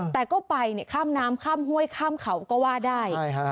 แต่ก็ไปข้ามน้ำข้ามห้วยข้ามเขาก็ว่าได้